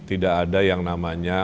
tidak ada yang namanya